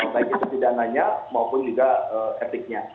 baik itu pidananya maupun juga etiknya